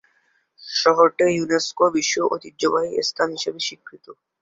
শহরটি ইউনেস্কো বিশ্ব ঐতিহ্যবাহী স্থান হিসেবে স্বীকৃত।